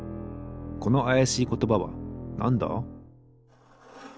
このあやしいことばはなんだ？